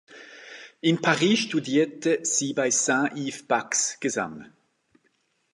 In Paris studierte sie bei Saint-Yves Bax Gesang.